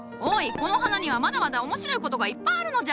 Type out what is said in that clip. この花にはまだまだ面白いことがいっぱいあるのじゃ！